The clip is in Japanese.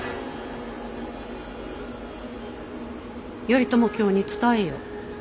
頼朝卿に伝えよ。